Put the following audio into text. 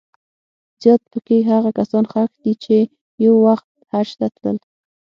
زیات په کې هغه کسان ښخ دي چې یو وخت حج ته تلل.